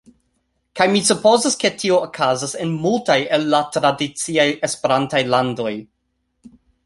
Kaj mi supozas ke tio okazas en multaj el la tradiciaj Esperantaj landoj.